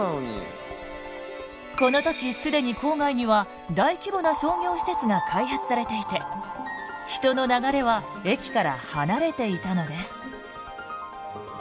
この時既に郊外には大規模な商業施設が開発されていて人の流れは駅から離れていたのです。